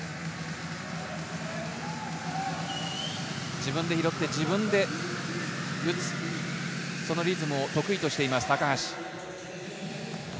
自分で拾って、自分で打つ、そのリズムを得意としています高橋。